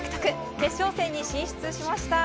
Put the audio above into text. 決勝戦に進出しました。